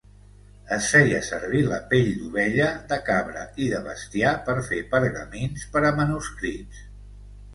Es feia servir la pell d'ovella, de cabra i de bestiar per fer pergamins per a manuscrits.